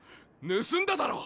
盗んだだろ！